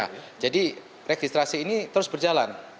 nah jadi registrasi ini terus berjalan